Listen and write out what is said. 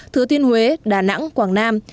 thứ thiên huế đà nẵng quảng nam